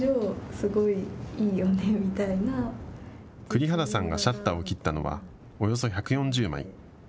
栗原さんがシャッターを切ったのはおよそ１４０枚。